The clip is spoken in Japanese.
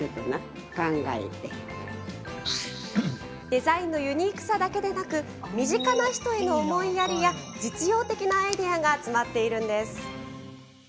デザインのユニークさだけではなく身近な人への思いやりや実用的なアイデアが詰まっているんです。